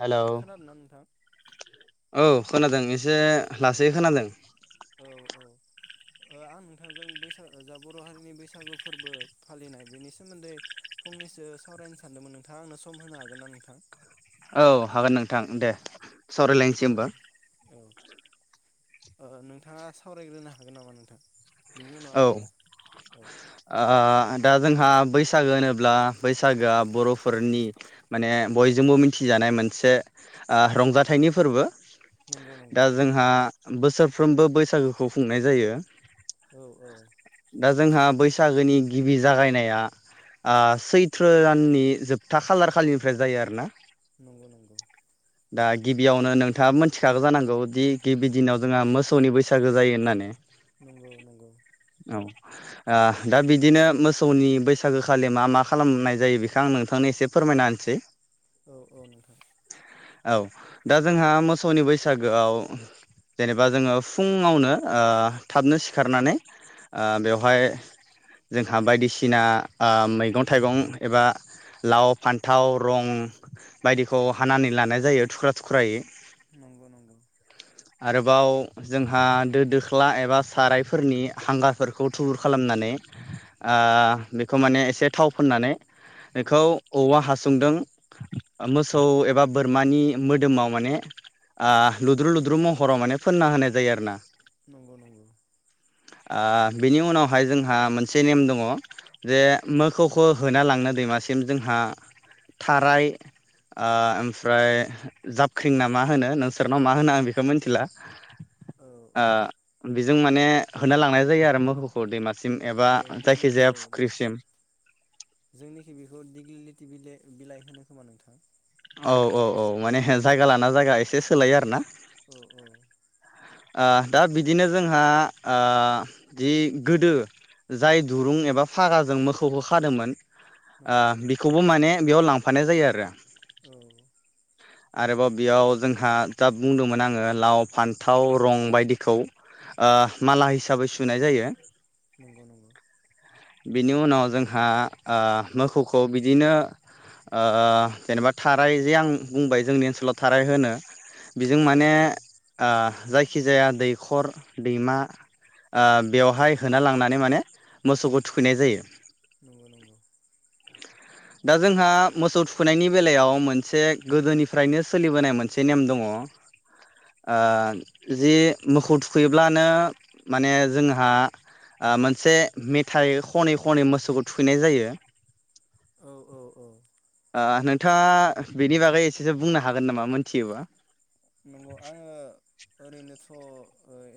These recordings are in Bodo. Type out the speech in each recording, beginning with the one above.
हेलौ खोनादोंना नोंथां? औ खोनादों एसे लासै खोनादों। औ औ ओ आं नोंथांजों बैसाग जा बर हारिनि बैसागु फोरबो फालिनाय बेनि सोमोन्दै फंनैसो सावरायनो सानदोंमोन नोंथाङा आंनो सम होनो हागोनना नोंथां? औ हागोन नोंथां दे। औ सावरायलायनोसै होमबा औ ओ नोंथाङा सावरायग्रोनो हागोन नामा नोंथां? बिनि उनाव औ आङो औ ओ दा जोंहा बैसागो होनोब्ला बैसागोआ बरफोरनि माने बयजोंबो मिथिजानाय मोनसे ओ रंजाथाइनि फोरबो। नंगौ नंगौ दा जोंहा बोसोरफ्रोमबो बैसागोखौ खुंनाय जायो। औ औ। दा जोंहा बैसागोनि गिबि जागायनाया आ सैथ्र दाननि जोबथा खालार खालिनिफ्राय जायो आरोना। नंगौ नंगौ। दा गिबियावनो नोंथाङा मोनथिखागौ जानांगौ दि गिबि दिनाव जोंहा मोसौनि बैसागो जायो होननानै। नंगौ नंगौ। औ आ दा बिदिनो मोसौनि बैसागो खालि मा मा खालामनाय जायो बेखौ आं नोंथांनो एसे फोरमायना होनोसै औ औ नोंथां औ दा जोंहा मोसौनि बैसागोआव जेनेबा जोङो फुङावनो आ थाबनो सिखारनानै आ बेवहाय जोंहा बायदिसिना आ मैगं थाइगं एबा लाव फान्थाव रं बायदिखौ हानानै लानाय जायो थुख्रा थुख्रायै। नंगौ नंगौ बाव जोंहा दो दोख्ला एबा सारायफोरनि हांगारफोरखौ थुबुर खालामनानै आ बेखौ माने एसे थाव फुननानै बेखौ नंगौ औवा हासुंदों मोसौ एबा बोरमानि मोदोमाव माने आ लुद्रु लुद्रु महराव माने फोनना होनाय जायो आरो ना नंगौ नंगौ आ बिनि उनावहाय जोंहा मोनसे नेम दङ जे मोखौखो होना लांनो दैमासिम जोंहा थाराय आ ओमफ्राय जाबख्रिंना मा होनो नोंसोरनाव मा होनो आं बेखौ मोनथिला औ आ बिजों माने होनो लांनाय जायो आरो मोखौखो दैमा औ दिग्लि औ जोंनिखि बेखौ दिग्लि लेटि बिलाय बिलाइ होनो खोमा नोंथां औ औ औ माने जायगा लाना जायगा एसे सोलायो आरो ना औ औ आ दा बिदिनो जोंहा आ जि गोदो जाय दुरुं एबा फागाजों मोखौखो खादोंमोन आ नंगौ नंगौ बेखौबो माने बेयाव लांफानाय जायो आरो औ आरोबाव बेयाव जोंहा दा बुंदोंमोन आङो लाव फान्थाव रं बायदिखौ ओ माला हिसाबै सुनाय जायो। नंगौ नंगौ बिनि उनाव जोंहा आ मोखौखौ बिदिनो ओ जेनेबा थाराय जे आं बुंबाय जोंनि ओनसोलाव थाराय होनो बेजों औ माने औ आ जायखिजाया दैखर दैमा आ बेवहाय होना लांनानै माने मोसौखौ थुखैनाय जायो। नंगौ नंगौ दा जोंहा मोसौ थुखैनायनि बेलायाव मोनसे गोदोनिफ्रायनो सोलिबोनाय मोनसे नेम दङ आ जि मोखौ थुखैब्लानो माने जोंहा आ मोनसे मेथाइ खनै खनै मोसौखौ थुखैनाय जायो। औ औ औ आ नों थाङा बिद नि बागै एसेसो बुंनो हागोन नामा मोनथियोबा? नंगौ आङो ओरैनो थ' ओ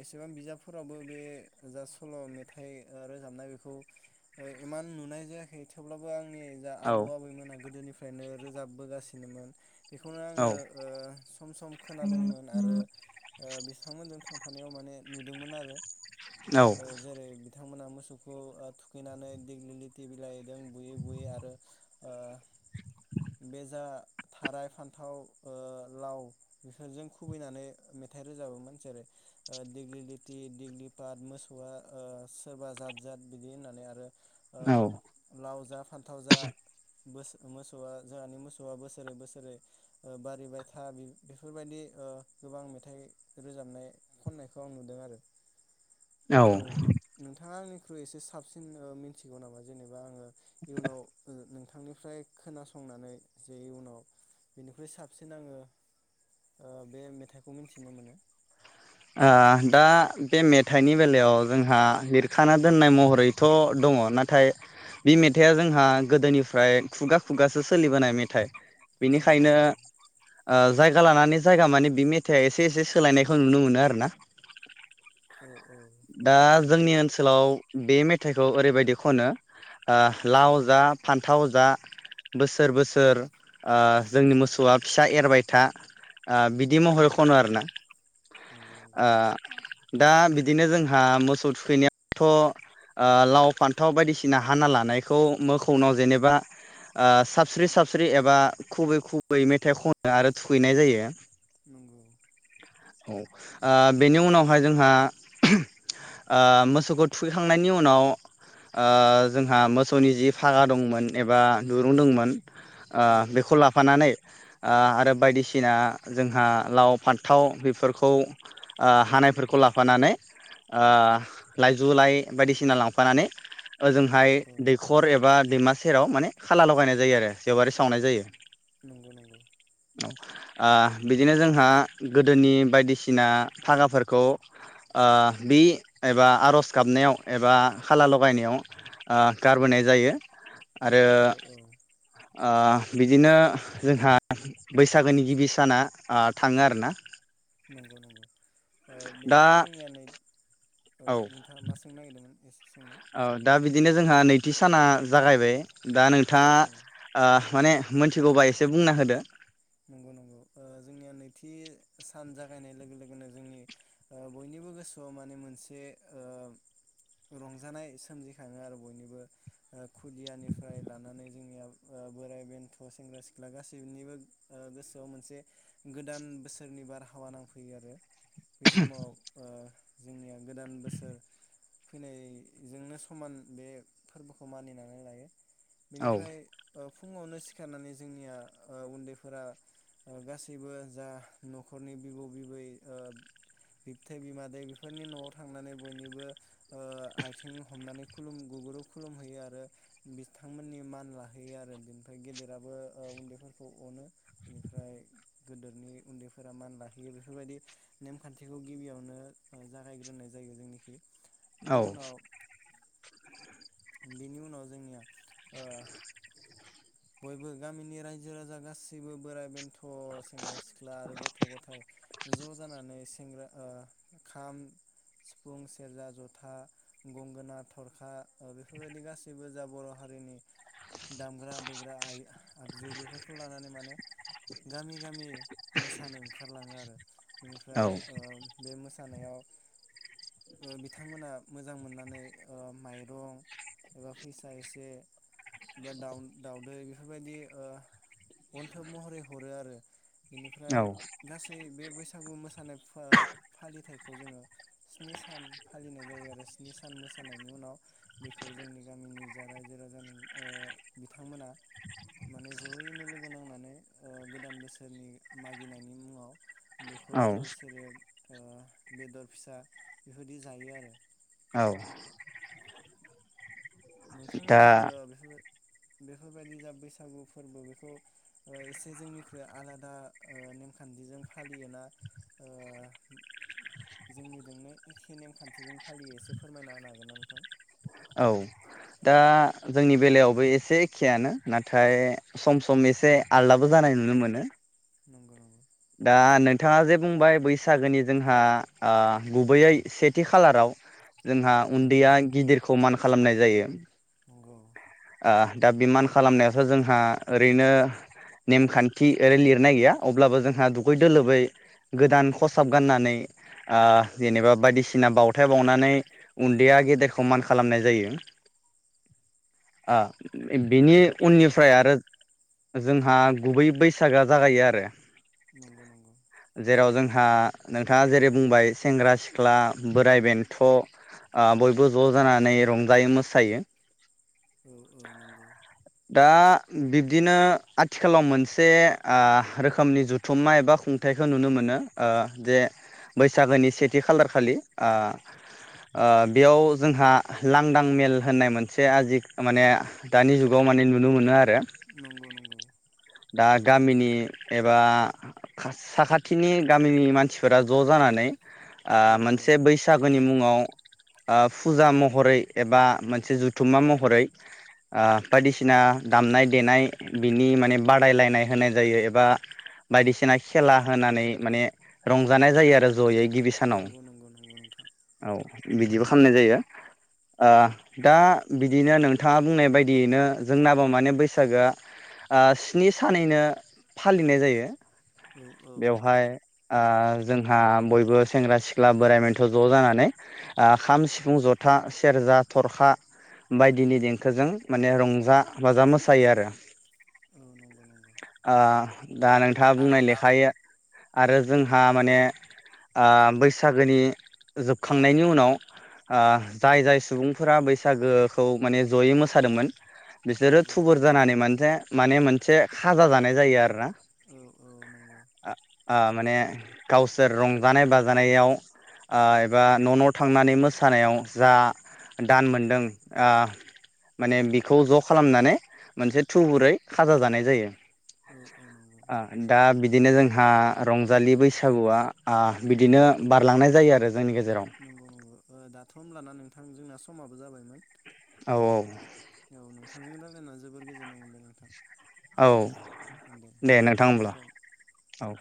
एसेबां बिजाबफोरावबो बे जा सल' मेथाइ ओ रोजाबनाय बेखौ ओ इमान नुनाय जायाखै थेवब्लाबो आं नि जा औ आबौ आबैमोना गोदोनिफ फ्रायनो रोजाबबोगासिनोमोन बेखौनो आङो औ ओ सम सम दोंमोन आरो ओ बिसा थांफानायाव माने नुदोंमोन आरो ओ जेरै थांमोनहा मोसौखौ ओ थुखैनानै देग्लिलिथि बिलाइदों बुयै बुयै आरो ओ बे जा थाराय, फान्थाव ओ लाव बेफोरजों खुबैनानै मेथाइ रोजाबोमोन जेरै ओ दिग्लि दिग्लि पाट मोसौआ ओ सोरबा जाद जाद बिदि होननानै आरो ओ आ औ लावजा फान्थाव जा बोस मोसौआ जोंहानि मोसौआ बोसोरै बोसोरै बारिबाय था बेफोरबायदि ओ गोबां मेथाइ रोजाबनाय खननायखौ आं नुदों आरो औ नोंथाङा आंनि ख्रुइ एसे साबसिन ओ मिथिगौ नामा जेनेबा आङो इयुनाव नो नों थांनिफ्राय खोनासंनानै जे इयुनाव बेनिख्रुइ साबसिन आङो ओ बे मेथाइखौ मिन्थिनो मोनो। आ दा बे मेथाइनि बेलायाव जोंहा लिरखाना दोननाय महरैथ' दङ नाथाय बे मेथाइआ जोंहा गोदोनिफ्राय खुगा खुगासो सोलिबोनाय मेथाइ। नंगौ बेनिखायनो नंगौ ओ जायगा लानानै जायगा माने बि मेथाइआ एसे एसे सोलायनायखौ नुनो मोनो। आरोना औ औ दा नंगौ जोंनि ओनसोलाव बे मेथाइखौ ओरैबायदि खनो आ लाव जा फान्थाव जा बोसोर बोसोर ओ जोंनि मोसौआ फिसा एरबाय था ओ बिदि औ महरै औ खनो आरोना नंगौ नंगौ ओ दा बिदिनो जोंहा मोसौ थुखैनायावथ' ओ लाव फान्थाव बायदिसिना हाना लानायखौ मोखौनाव जेनेबा साबस्रि साबस्रि एबा खुबै खुबै मेथाइ खनो आरो थुखैनाय जायो। नंगौ। औ। ओ बेनि उनावहाय जोंहा ओ मोसौखौ थुखैखांनायनि उनाव जोंहा ओ मोसौनि जि फागा दंमोन एबा दुरुं दंमोन। ओ औ बेखौ लाफानानै। ओ आरो बायदिसिना जोंहा लाव फान्थाव बेफोरखौ खौ हानायफोरखौ लाफानानै ओ लाइजौ लाइ बायदिसिना लांफानानै औ ओजोंहाय औ दैखर एबा दैमा सेराव माने खाला लगायनाय जायो आरो जेवारि सावनाय जायो। नंगौ नंगौ। औ ओ बिदिनो जोंहा गोदोनि बायदिसिना बायदिसिना फागाफोरखौ ओ बि एबा आर'ज गाबनायाव एबा खाला लगायनायाव ओ गारबोनाय जायो। आरो औ औ ओ बिदिनो जोंहा बैसागोनि गिबि साना ओ थाङो आरोना नंगौ नंगौ ओ दा बेनिफ्राय जोंनिया नै औ नोंथाङा मा सोंनो नागिरदोंमोन एसे सोंनाय औ दा बिदिनो जोंहा नै नैथि साना जागायबाय। दा औ नोंथाङा औ ओ माने मिथिगौबा एसे बुंना होदो। नंगौ नंगौ ओ जोंनिया नैथि सान जागायनाय लोगो लोगोनो जोंनि ओ बयनिबो गोसोआव माने मोनसे रंजानाय सोमजिखाङो आरो बयनिबो खुदियानिफ्राय लानानै जोंनिया बोराइ बेन्थ' सेंग्रा सिख्ला गासैनिबो। गोसोआव मोनसे गोदान बोसोरनि बारहावा नांफैयो आरो। बे समआव ओं। जोंनिया गोदान बोसोर फैनाय औ बेनिफ्राय ओ फुङावनो सिखारनानै जोंनिया उन्दै फोर गासैबो जा न'खरनि बिबौ बिबै बिबथै बिमादै बेफोरनि न'आव थांनानै बयनिबो। ओ आथिं हमनानै। खुलुम गुगुरु खुलुमहैयो आरो बिथांमोननि मान लाहैयो आरो बिनिफ्राय गेदेराबो उन्दैफोरखौ अनो। बेनिफ्राय गिदिरनि उन्दैफोरा मान लाहैयो बेफोर बायदि नेमखान्थिखौ गिबियावनो जागायग्रोनाय जायो जोंनिखै। औ बेनि उनाव। बेनि उनाव जोंनिया बयबो गामिनि रायजो राजा गाससिबो बोराय बेन्थ' थ' सेंग्रा सिख्ला आरो गथ' गथाय। ज' जानानै ओ सेंग्रा खाम सिफुं सेरजा जथा गंगोना थरखा बेफोरबायदि गासैबो जा बर' हारिनि दामग्रा दे आइ आगजु बेफोरखौ लानानै माने गामि गामि मोसानो ओंखारलाङो आरो औ बेनिफ्राय ओ बे मोसा मोसानायाव ओ बिथांमोना मोजां मोननानै ओ माइरं एबा फैसा एसे एबा दाउ दाउदै बेफोरबायदि ओ अन्थोब महरै हरो आरो बेनिफ्राय गासै बे बैसाग बैसागु मोसानाय फा फालिथायखौ जोङो स्नि सान फालिनाय जायो आरो स्नि सान मोसानायनि उनाव बेखौ जोंनि गामिनि जा रायजो राजा नों ओ बिथांमोना माने जयैनो लोगो नांनानै ओ गोदान बोसोरनि मागिनायनि मुङाव बेखौ औ जौ सेरेब ओ बेदर फिसा बेफोरदि जायो आरो औ नोंथांमोनखि दा ओ बेफोर बेफोरबायदि जा बैसागु फोरबो बेखौ ओ एसे जोंनिख्रुइ आलादा ओ नेमखान्थिजों फालियो ना ओ जोंनिजोंनो एखे नेमखान्थिजों फालियो एसे फोरमायना हागोन ना नोंथां औ दा जोंनि बेलायावबो एसे एखेयानो नाथाय सम सम एसे आलदाबो जानाय नुनो मोनो नंगौ दा नोंथाङा जे बुंबाय बैसागोनि जोंहा ओ गुबैयै सेथि खालाराव औ जोंहा औ उन्दैया गिदिरखौ मान खालामनाय जायो नंगौ। ओ दा बे मान खालामनायावथ' जोंहा ओरैनो ओ नेमखान्थि ओरै लिरनाय गैया अब्लाबो जोंहा दुगै दोलोबै गोदान खसाब गाननानै ओ जेनेबा बायदिसिना बावथाय बावनानै उन्दैया गेदेरखौ मान खालामनाय जायो आ बिनि बेनि उननिफ्राय उन आरो जोंहा गुबै बैसागोआ जागायो आरो नंगौ-नंगौ। जेराव जोंहा नोंथाङा जेरै बुंबाय सेंग्रा सिख्ला बोराइ बेन्थ' ओ बयबो ज' जानानै रंजायो मोसायो। औ-औ नंगौ। दा बिब्दिनो आथिखालाव मोनसे ओ रोखोमनि जुथुमा एबा खुंथायखौ नुनो मोनो ओ जे बैसागोनि सेथि खालार खालि ओ-ओ बेयाव जोंहा लांदां मेल होननाय मोनसे आजि माने दानि जुग खौ माने नुनो मोनो आर नंगौ-नंगौ। दा गामिनि एबा साखाथिनि गामिनि मानसिफोरा ज' जानानै ओ औ औ मोनसे बैसागोनि मुङाव ओ फुजा महरै एबा मोनसे जुथुमा महरै ओ बायदिसिना दामनाय देनाय बिनि माने बादायलायनाय होनाय जायो एबा बायदिसिना खेला होनानै माने रंजानाय जायो आरो जयै गिबि सानाव नंगौ-नंगौ-नंगौ नोंथां। औ बिदिबो खामनाय जायो ओ दा बिदिनो नोंथाङा बुंनाय बाय दियैनो जोंनाबो माने बैसागोआ ओ स्नि सानैनो फालिनाय जायो। औ-औ आ जोंहा बयबो सेंग्रा सिख्ला बोराइ बेन्थ' ज' जानानै ओ खाम सिफुं जथा सेरजा थरखा बायदिनि देंखोजों माने रंजा बाजा मोसायो आरो, औ नंगौ नंगौ। ओ दा नोंथाङा दा बुंनाय बुं लेखायो आरो जोंहा माने ओ बैसागोनि जोबखांनायनि उनाव ओ जाय-जाय सुबुंफोरा बैसागोखौ माने जयै मोस मोसादोंमोन बिसोरो नंगौ थुबुर नंगौ जानानै मानथे माने मोनसे खाजा जानाय जायो आरो औ औ नंगौ ओ माने गावसोर रंगानाय बाजानायाव ओ एबा न'-न' थांनानै मोसानायाव जा दान मोनदों ओ माने बिखौ ज' खालामनानै मोनसे थुबुरै खाजा जानाय जायो। औ औ नंगौ ओ दा बिद बिदिनो जोंहा रंजालि बैसागुआ ओ बिदिनो बारलांनाय जायो आरो। जोंनि गेजेराव नंगौ-नंगौ ओ दा। थ होनब्लाना नोंथां जोंना समाबो जाबायमोन। औ औ नोंथां जों रालायना जोबोर गोजोननाय मोनबाय नोंथां। औ दे नोंथां होनब्ला गोजोन्थों। औ।